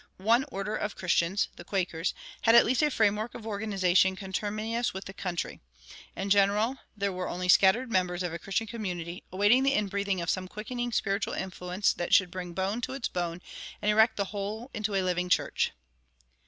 One order of Christians, the Quakers, had at least a framework of organization conterminous with the country. In general there were only scattered members of a Christian community, awaiting the inbreathing of some quickening spiritual influence that should bring bone to its bone and erect the whole into a living church.